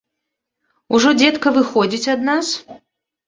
Ужо дзедка выходзіць ад нас?